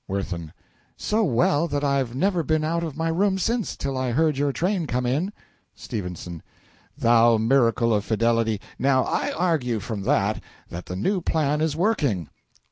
WIRTHIN. So well that I've never been out of my room since, till I heard your train come in. S. Thou miracle of fidelity! Now I argue from that, that the new plan is working.